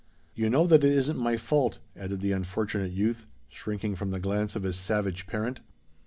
"You know that it isn't my fault," added the unfortunate youth, shrinking from the glance of his savage parent.